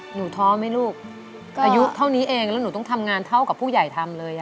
ท้อไหมลูกอายุเท่านี้เองแล้วหนูต้องทำงานเท่ากับผู้ใหญ่ทำเลย